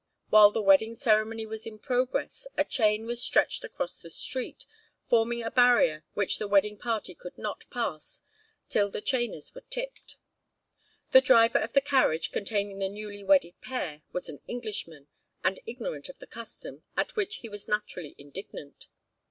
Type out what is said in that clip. While the wedding ceremony was in progress, a chain was stretched across the street, forming a barrier which the wedding party could not pass till the chainers were 'tipped.' The driver of the carriage containing the newly wedded pair was an Englishman, and ignorant of the custom, at which he was naturally indignant.